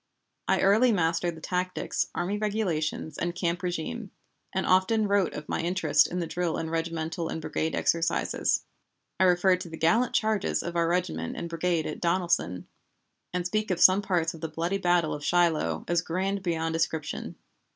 I early mastered the tactics, army regulations, and camp régime, and often wrote of my interest in the drill and regimental and brigade exercises. I refer to the gallant charges of our regiment and brigade at Donelson, and speak of some parts of the bloody battle of Shiloh as "grand beyond description."